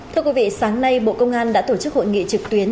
thưa quý vị sáng nay bộ công an đã tổ chức hội nghị trực tuyến